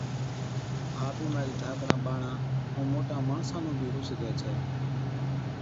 ها بِيمارِي ڌاڪڙان ٻاڙان ائُون موٽان ماڻسان نُون بِي هُو سِگھَي ڇَي